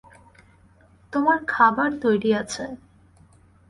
তোমার খাবার তৈরি আছে।